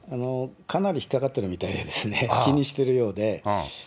かなり引っ掛かってるみたいで、気にしてるようで。